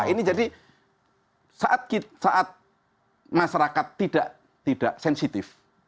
ini jadi saat masyarakat tidak sensitif